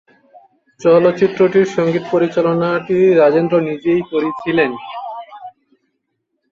চলচ্চিত্রটির সঙ্গীত পরিচালনা টি রাজেন্দ্র নিজেই করেছিলেন।